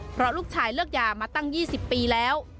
เพราะลูกชายเลิกยามาตั้ง๒๐ปีแล้ว